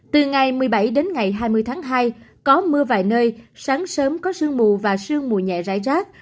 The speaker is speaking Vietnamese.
từ ngày một mươi bảy đến ngày hai mươi tháng hai có mưa vài nơi sáng sớm có sương mù và sương mù nhẹ rải rác